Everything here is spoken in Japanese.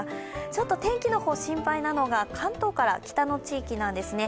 ちょっと天気の方心配なのが、関東から北の地域なんですね。